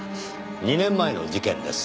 ２年前の事件です。